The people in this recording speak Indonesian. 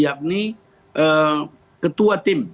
yakni ketua tim